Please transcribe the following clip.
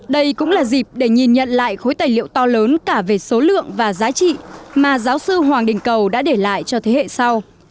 đây cũng là dịp để nhìn nhận lại khối tài liệu to lớn cả về số lượng và giá trị mà giáo sư hoàng đình cầu đã để lại cho thế hệ sau